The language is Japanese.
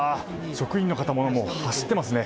職員の方も走ってますね。